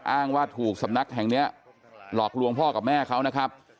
อ้างว่าถูกสำนักแห่งนี้หลอกลวงพ่อกับแม่เขานะครับ